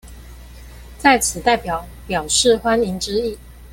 在此代表表示歡迎之意